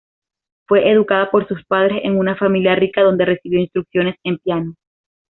Fue educada por sus padres en una familia rica, donde recibió instrucción en piano.